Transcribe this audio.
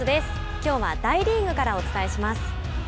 きょうは大リーグからお伝えします。